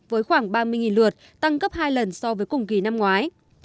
với khoảng ba mươi lượt tăng gấp hai lần so với cùng kỳ năm ngoái